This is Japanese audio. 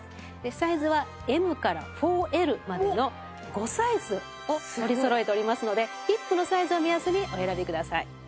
サイズはＭから４Ｌまでの５サイズを取りそろえておりますのでヒップのサイズを目安にお選びください。